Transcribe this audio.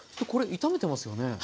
これ炒めてますよね？